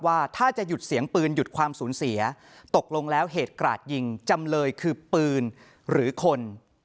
ว่าถ้าจะหยุดเสียงปืนหยุดความสูญเสียตกลงแล้วเหตุกราดยิงจำเลยคือปืนหรือคน